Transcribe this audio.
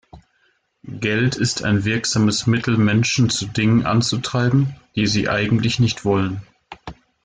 Geld ist ein wirksames Mittel, Menschen zu Dingen anzutreiben, die sie eigentlich nicht wollen.